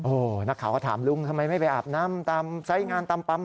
โอ้นักข่าวเขาถามลุงทำไมไม่ไปอาบน้ำจากใส่งานตามปั๊ม